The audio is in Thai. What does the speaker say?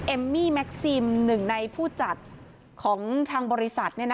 เอมมี่แม็กซิมหนึ่งในผู้จัดของทางบริษัท